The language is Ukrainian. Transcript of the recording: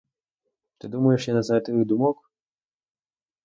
Ти думаєш, я не знаю твоїх думок?